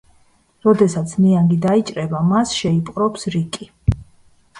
როდესაც ნიგანი დაიჭრება, მას შეიპყრობს რიკი.